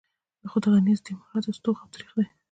خو د غني د استعمال راته ستوغ او ترېخ دی.